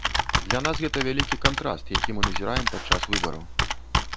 Для нас гэта вялікі кантраст, які мы назіраем і падчас выбараў.